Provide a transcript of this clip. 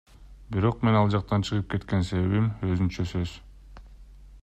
Бирок менин ал жактан чыгып кеткен себебим өзүнчө сөз.